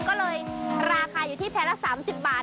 ก็เลยราคาอยู่ที่แพงละ๓๐บาท